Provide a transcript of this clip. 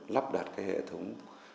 lắp đặt hệ thống